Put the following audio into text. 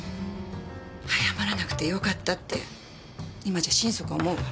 早まらなくて良かったって今じゃ心底思うわ。